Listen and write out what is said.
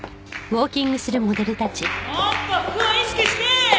もっと服を意識して！